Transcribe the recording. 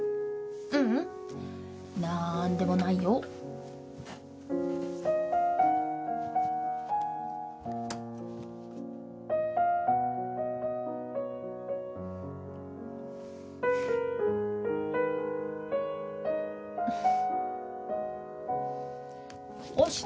ううん。何でもないよ。おし。